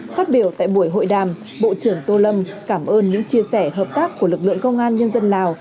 phát biểu tại buổi hội đàm bộ trưởng tô lâm cảm ơn những chia sẻ hợp tác của lực lượng công an nhân dân lào